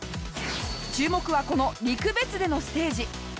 注目はこの陸別でのステージ。